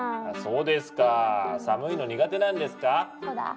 あそうですか。寒いの苦手なんですか？